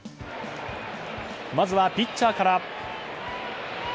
まずはピッチャーから。